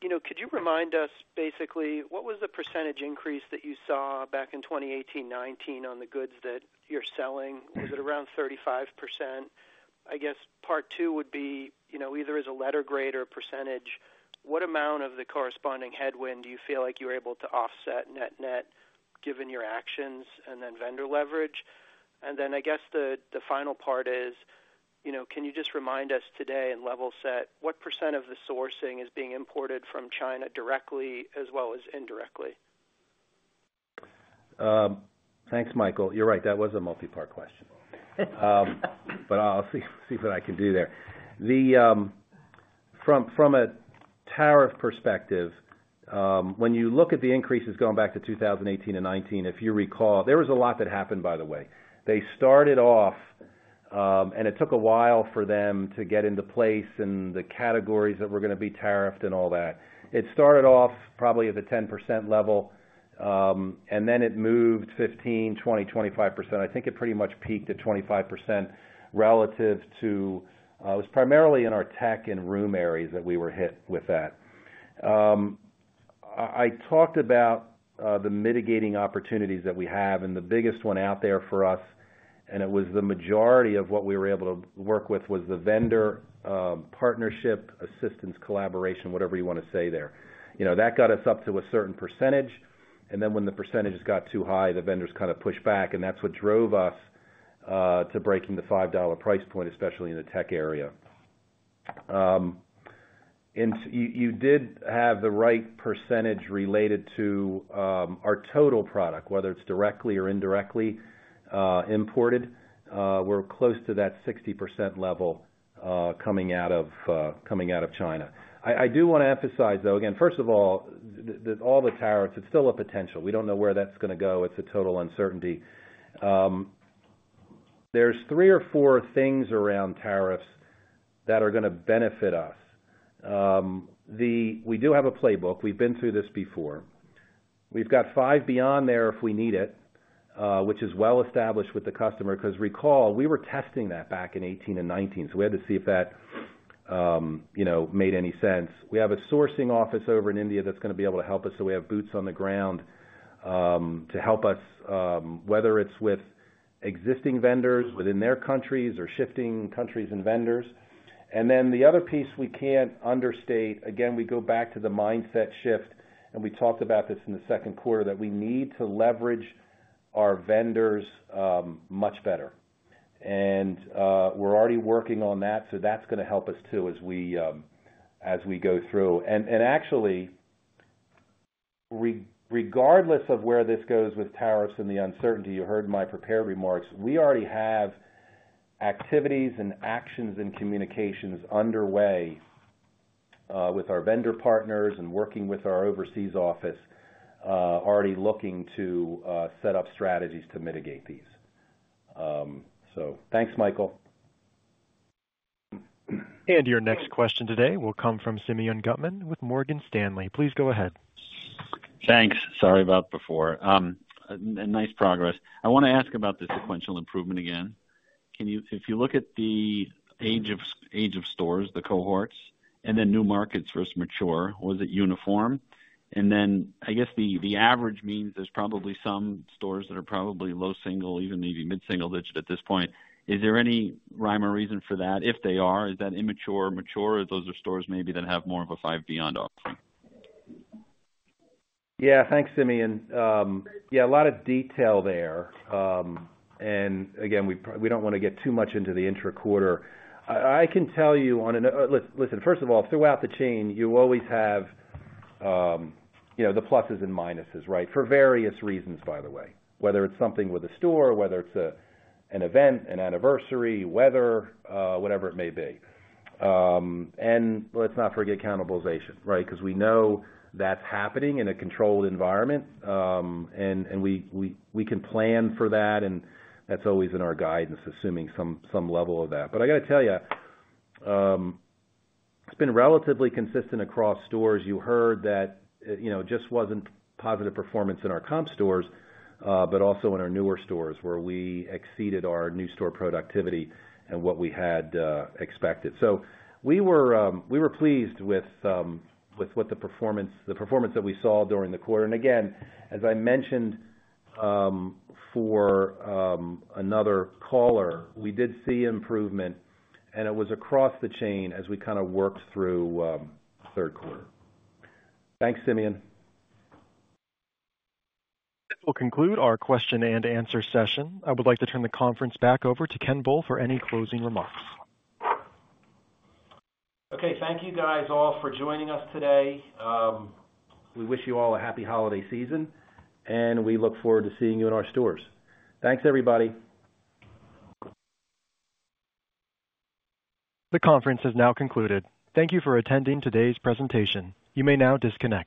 could you remind us basically what was the percentage increase that you saw back in 2018, 2019 on the goods that you're selling? Was it around 35%? I guess part two would be either as a letter grade or a percentage. What amount of the corresponding headwind do you feel like you were able to offset net-net given your actions and then vendor leverage? And then I guess the final part is, can you just remind us today and level set what percent of the sourcing is being imported from China directly as well as indirectly? Thanks, Michael. You're right. That was a multi-part question, but I'll see what I can do there. From a tariff perspective, when you look at the increases going back to 2018 and 2019, if you recall, there was a lot that happened, by the way. They started off, and it took a while for them to get into place in the categories that were going to be tariffed and all that. It started off probably at the 10% level, and then it moved 15%, 20%, 25%. I think it pretty much peaked at 25% relative to it was primarily in our tech and room areas that we were hit with that. I talked about the mitigating opportunities that we have, and the biggest one out there for us, and it was the majority of what we were able to work with was the vendor partnership, assistance, collaboration, whatever you want to say there. That got us up to a certain percentage, and then when the percentages got too high, the vendors kind of pushed back, and that's what drove us to breaking the $5 price point, especially in the tech area, and you did have the right percentage related to our total product, whether it's directly or indirectly imported. We're close to that 60% level coming out of China. I do want to emphasize, though, again, first of all, that all the tariffs. It's still a potential. We don't know where that's going to go. It's a total uncertainty. There's three or four things around tariffs that are going to benefit us. We do have a playbook. We've been through this before. We've got Five Beyond there if we need it, which is well established with the customer. Because recall, we were testing that back in 2018 and 2019, so we had to see if that made any sense. We have a sourcing office over in India that's going to be able to help us. So we have boots on the ground to help us, whether it's with existing vendors within their countries or shifting countries and vendors. And then the other piece we can't understate, again, we go back to the mindset shift, and we talked about this in the second quarter, that we need to leverage our vendors much better. And we're already working on that, so that's going to help us too as we go through. Actually, regardless of where this goes with tariffs and the uncertainty, you heard my prepared remarks. We already have activities and actions and communications underway with our vendor partners and working with our overseas office already looking to set up strategies to mitigate these. Thanks, Michael. Your next question today will come from Simeon Gutman with Morgan Stanley. Please go ahead. Thanks. Sorry about before. Nice progress. I want to ask about the sequential improvement again. If you look at the age of stores, the cohorts, and then new markets versus mature, was it uniform? And then I guess the average means there's probably some stores that are probably low single, even maybe mid-single digit at this point. Is there any rhyme or reason for that? If they are, is that immature, mature, or those are stores maybe that have more of a Five Beyond option? Yeah. Thanks, Simeon. Yeah. A lot of detail there. And again, we don't want to get too much into the intra-quarter. I can tell you, and listen, first of all, throughout the chain, you always have the pluses and minuses, right, for various reasons, by the way, whether it's something with a store, whether it's an event, an anniversary, weather, whatever it may be. And let's not forget cannibalization, right, because we know that's happening in a controlled environment, and we can plan for that. And that's always in our guidance, assuming some level of that. But I got to tell you, it's been relatively consistent across stores. You heard that it just wasn't positive performance in our comp stores, but also in our newer stores where we exceeded our new store productivity and what we had expected. We were pleased with what the performance that we saw during the quarter. Again, as I mentioned for another caller, we did see improvement, and it was across the chain as we kind of worked through third quarter. Thanks, Simeon. This will conclude our question and answer session. I would like to turn the conference back over to Ken Bull for any closing remarks. Okay. Thank you, guys, all for joining us today. We wish you all a happy holiday season, and we look forward to seeing you in our stores. Thanks, everybody. The conference has now concluded. Thank you for attending today's presentation. You may now disconnect.